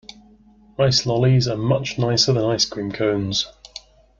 Ice lollies are much nicer than ice cream cones